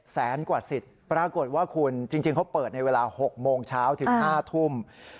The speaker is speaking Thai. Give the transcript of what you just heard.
แสนกว่าสิทธิ์ปรากฏว่าคุณจริงเขาเปิดในเวลา๖โมงเช้าถึง๕ทุ่ม